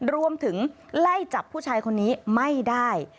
รวมถึงไล่จับผู้ชายคนนี้ไม่ได้